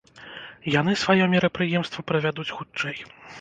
Яны сваё мерапрыемства правядуць хутчэй.